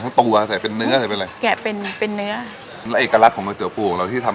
ก็เป็นซอยจากถนนใหญ่เข้ามา